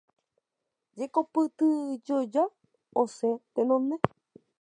Jekopytyjoja osẽ tenonde.